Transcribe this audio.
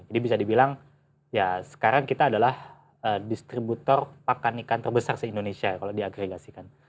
jadi bisa dibilang ya sekarang kita adalah distributor pakan ikan terbesar di indonesia kalau diagregasikan